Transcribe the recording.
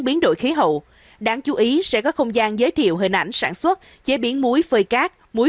biến đổi khí hậu đáng chú ý sẽ có không gian giới thiệu hình ảnh sản xuất chế biến muối phơi cát muối